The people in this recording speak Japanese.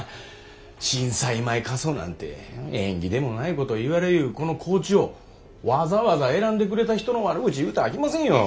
震災前過疎なんて縁起でもないこと言われゆうこの高知をわざわざ選んでくれた人の悪口言うたらあきませんよ。